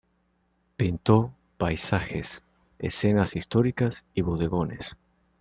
Pintó paisajes, escenas históricas y bodegones.